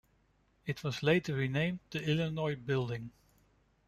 It was later renamed the Illinois Building.